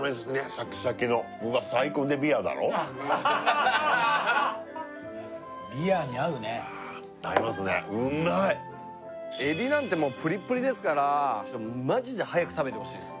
シャキシャキのうわっ最高でビアだろビアに合うね合いますねうまい海老なんてプリプリですからマジで早く食べてほしいです